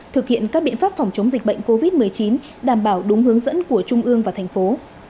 thực hiện các biện pháp phòng chống dịch bệnh covid một mươi chín đảm bảo đúng hướng dẫn của trung ương và thành phố